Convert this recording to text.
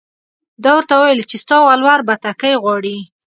ده ورته وویل چې ستا ولور بتکۍ غواړي.